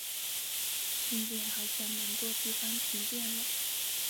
新店好像蛮多地方停电了